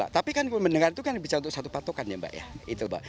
tapi kan mendengar itu kan bisa untuk satu patokan ya mbak ya